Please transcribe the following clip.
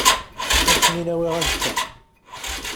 Ad ak-ten-in-awiɣ azekka.